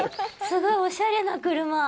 すごいおしゃれな車。